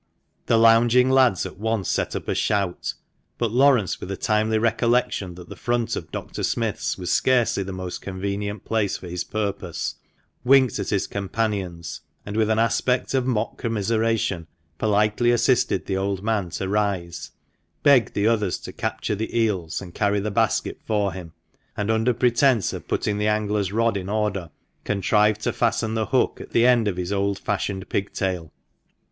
The lounging lads at once set up a shout ; but Laurence, with a timely recollection that the front of Dr. Smith's was scarcely the most convenient place for his purpose, winked at his companions, and, with an aspect of mock commiseration, politely assisted the old man to rise, begged the others to capture the eels and carry the basket for him, and, under pretence of putting the angler's rod in order, contrived to fasten the hook to the end of his old fashioned pigtail.